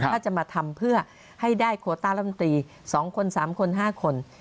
ถ้าจะมาทำเพื่อให้ได้โคต้ารัฐมนตรี๒คน๓คน๕คน